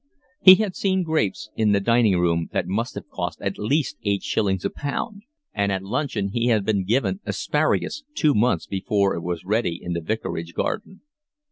He had seen grapes in the dining room that must have cost at least eight shillings a pound; and at luncheon he had been given asparagus two months before it was ready in the vicarage garden.